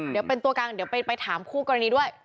เดี๋ยวเป็นตัวกลางเดี๋ยวไปถามคู่กรณีด้วย